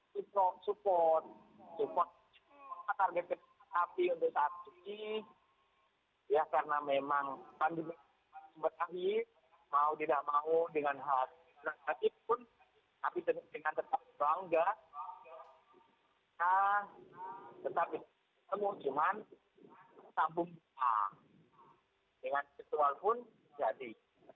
kita support target ketapi untuk saat cuci ya karena memang pandemi sempat akhir mau tidak mau dengan hal negatif pun tapi dengan tetap berangga kita tetap bertemu cuman tetap berhubungan dengan ritual pun jadi